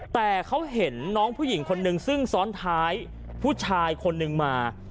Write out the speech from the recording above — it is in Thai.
แต่เขาเห็นน้องผู้หญิงคนนึงซึ่งซ้อนท้ายผู้ชายคนนึงมา